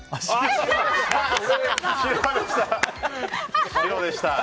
白でした。